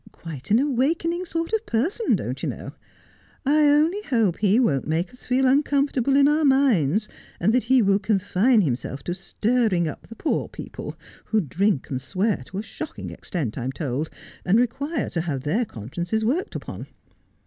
Quite an awakening sort of person, don't you know. I only hope he won't make us feel uncomfortable in our minds, and that he will confine himself to stirring up the poor people, who drink and swear to a shocking extent, I am told, and require to have their consciences worked upon.